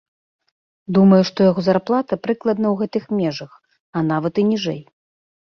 Думаю, што яго зарплата прыкладна ў гэтых межах, а нават і ніжэй.